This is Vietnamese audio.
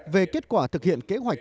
về kết quả thực hiện kế hoạch thuốc lá